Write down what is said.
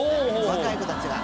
若い子たちが。